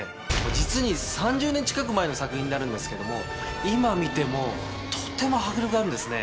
実に３０年近く前の作品になるんですけども今見てもとても迫力あるんですね。